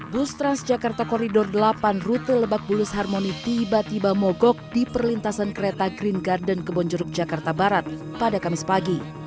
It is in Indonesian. bus transjakarta koridor delapan rute lebak bulus harmoni tiba tiba mogok di perlintasan kereta green garden kebonjeruk jakarta barat pada kamis pagi